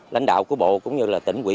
lãnh đạo của bộ cũng như là tỉnh quỹ